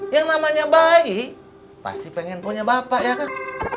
yang namanya bayi pasti pengen punya bapak ya kan